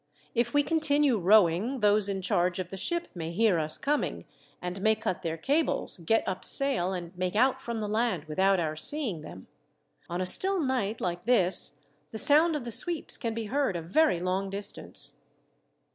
If we continue rowing, those in charge of the ship may hear us coming, and may cut their cables, get up sail, and make out from the land without our seeing them. On a still night, like this, the sound of the sweeps can be heard a very long distance."